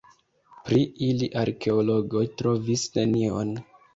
Pri ili arkeologoj trovis nenion.